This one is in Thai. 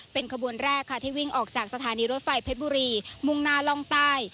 เป็นขบวนแรกค่ะที่วิ่งออกจากสถานีรถไฟเพชรบุรีมุ่งหน้าล่องใต้